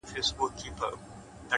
دا دی د مرگ تر دوه ويشتچي دقيقې وځم’